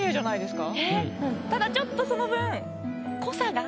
ただちょっとその分。